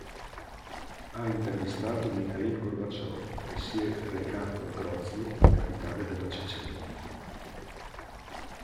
Ha intervistato Michail Gorbačëv, è si è recato a Groznyj, capitale della Cecenia.